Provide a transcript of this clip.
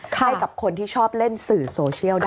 ให้กับคนที่ชอบเล่นสื่อโซเชียลด้วย